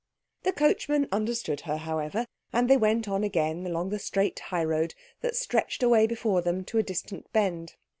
The coachman understood her, however, and they went on again along the straight high road, that stretched away before them to a distant bend.